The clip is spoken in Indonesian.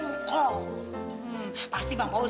paduka jika ada di rumah ini